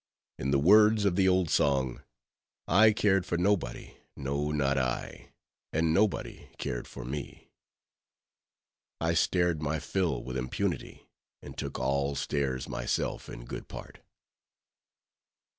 In the words of the old song, "I cared for nobody, no not I, and nobody cared for me." I stared my fill with impunity, and took all stares myself in good part.